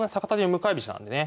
向かい飛車なんでね。